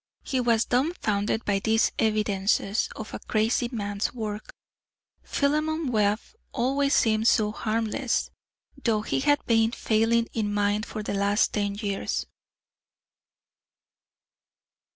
He was dumbfounded by these evidences of a crazy man's work. Philemon Webb always seemed so harmless, though he had been failing in mind for the last ten years.